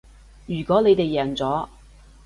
如果你哋贏咗